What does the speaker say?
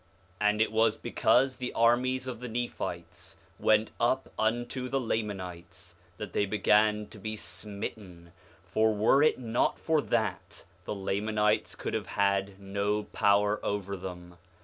4:4 And it was because the armies of the Nephites went up unto the Lamanites that they began to be smitten; for were it not for that, the Lamanites could have had no power over them.